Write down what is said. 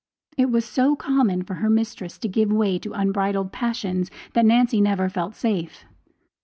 It was so common for her mistress to give way to unbridled passions that Nancy never felt safe.